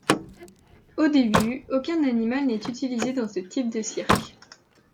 Au début, aucun animal n'est utilisé dans ce type de cirque.